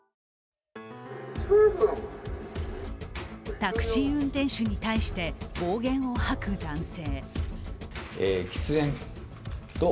タクシー運転手に対して暴言を吐く男性。